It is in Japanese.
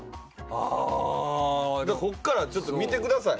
ここからちょっと見てください